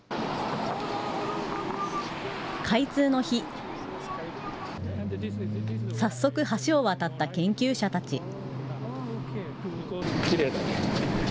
開通の日、早速、橋を渡った研究者たち。